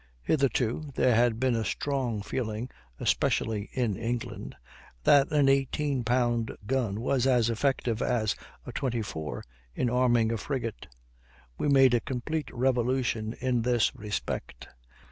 Hitherto there had been a strong feeling, especially in England, that an 18 pound gun was as effective as a 24 in arming a frigate; we made a complete revolution in this respect.